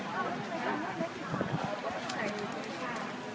พี่มาจากชะลายจ้ะ